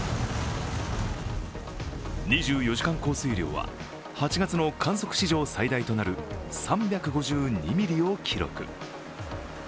２４時間降水量は８月の観測史上最大となる３５２ミリを記録。